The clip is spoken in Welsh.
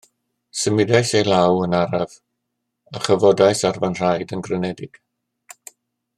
Symudais ei law yn araf, a chyfodais ar fy nhraed yn grynedig.